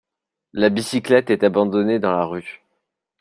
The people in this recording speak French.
La bicyclette est abandonnée dans la rue.